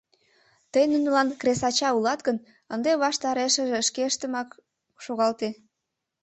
— Тый нунылан кресача улат гын, ынде ваштарешыже шкештымак шогалте!